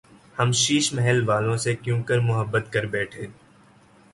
ہم شیش محل والوں سے کیونکر محبت کر بیتھے